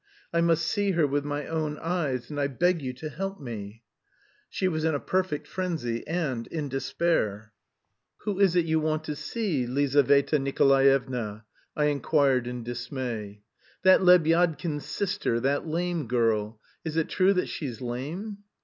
"I must see her with my own eyes, and I beg you to help me." She was in a perfect frenzy, and in despair. "Who is it you want to see, Lizaveta Nikolaevna?" I inquired in dismay. "That Lebyadkin's sister, that lame girl.... Is it true that she's lame?"